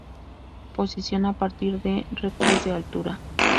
Posición a partir de n Rectas de Altura.